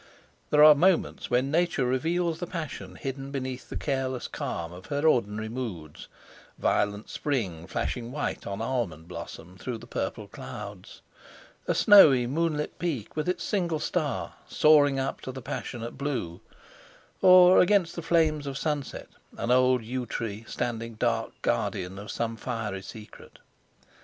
There are moments when Nature reveals the passion hidden beneath the careless calm of her ordinary moods—violent spring flashing white on almond blossom through the purple clouds; a snowy, moonlit peak, with its single star, soaring up to the passionate blue; or against the flames of sunset, an old yew tree standing dark guardian of some fiery secret.